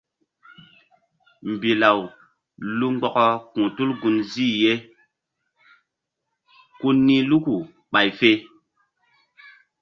Mbilaw lu mgbɔkɔ ku̧h tul gunzih ye ku nih Luku ɓay fe.